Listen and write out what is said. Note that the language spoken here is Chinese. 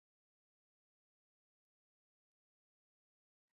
蒋斯千父名蒋祈增生于清朝乾隆四十八年。